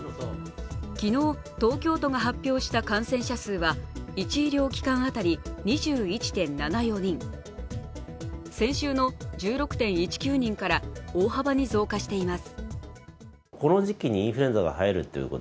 昨日、東京都が発表した感染者数は１医療機関当たり２１．７４人、先週の１６．１９人から大幅に増加しています。